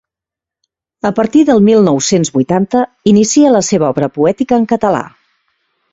A partir del mil nou-cents vuitanta, inicia la seva obra poètica en català.